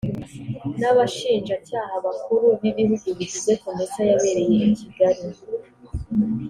n abashinja cyaha bakuru b ibihugu bigize comesa yabereye i kigali